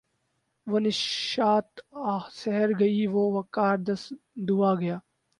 وہ نشاط آہ سحر گئی وہ وقار دست دعا گیا